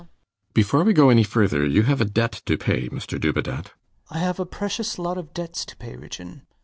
LOUIS. I have a precious lot of debts to pay, Ridgeon.